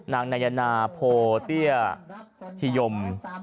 นางนาอยานาโพเตี้ยธิยม